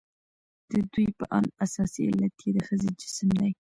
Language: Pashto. د ددوى په اند اساسي علت يې د ښځې جسم دى.